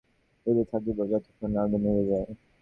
কারন আমরা বাইরে থেকে পানি দিতে থাকব যতক্ষণ না আগুন নিভে যায়।